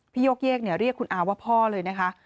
โยกเยกเรียกคุณอาว่าพ่อเลยนะคะ